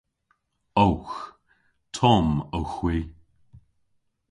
Owgh. Tomm owgh hwi.